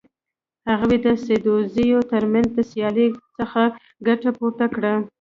هغوی د سدوزیو تر منځ د سیالۍ څخه ګټه پورته کړه.